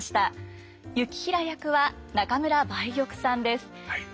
行平役は中村梅玉さんです。